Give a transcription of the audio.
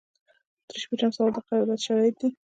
درې شپیتم سوال د قرارداد شرایط دي.